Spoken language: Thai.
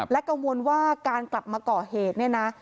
กังวลว่าการกลับมาก่อเหตุเนี่ยนะ